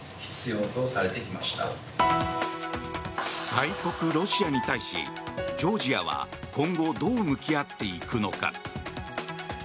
大国ロシアに対しジョージアは今後どう向き合っていくのか。